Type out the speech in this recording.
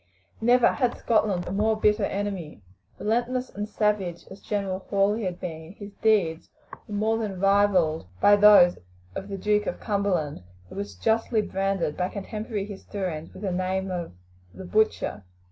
Never had Scotland a more bitter enemy. Relentless and savage as General Hawley had been, his deeds were more than rivalled by those of the Duke of Cumberland, who was justly branded by contemporary historians with the name of "the butcher."